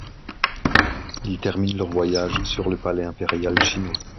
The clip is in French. Ils terminent leur voyage sur le palais impérial chinois.